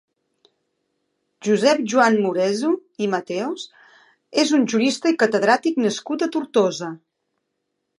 Josep Joan Moreso i Mateos és un jurista i catedràtic nascut a Tortosa.